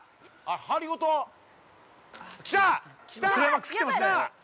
針ごと？きた！